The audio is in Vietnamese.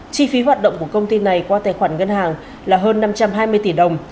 chi phí hoạt động của công ty này qua tài khoản ngân hàng là hơn năm trăm hai mươi tỷ đồng